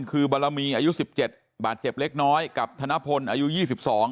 คือบารมีอายุสิบเจ็ดบาดเจ็บเล็กน้อยกับธนพลอายุยี่สิบสอง